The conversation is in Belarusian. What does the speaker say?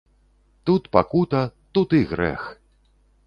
Тут пакута, тут і грэх!